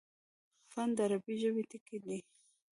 فن: د عربي ژبي ټکی دﺉ.